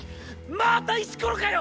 また石ころかよ！